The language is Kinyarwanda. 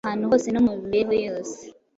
ahantu hose no mu mibereho yose.